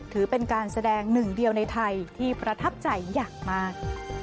ถือเป็นการแสดงหนึ่งเดียวในไทยที่ประทับใจอย่างมาก